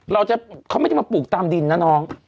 เขาไม่ได้มาปลูกตามดินน่ะน้อง